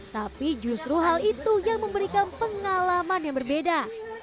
tapi justru hal itu yang memberikan pengalaman yang berbeda